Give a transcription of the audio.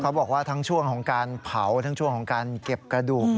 บอกว่าทั้งช่วงของการเผาทั้งช่วงของการเก็บกระดูก